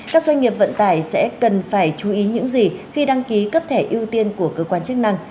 các doanh nghiệp vận tải sẽ cần phải chú ý những gì khi đăng ký cấp thẻ ưu tiên của cơ quan chức năng